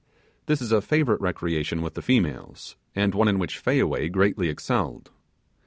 This is a favourite recreation with the females and one in which Fayaway greatly excelled.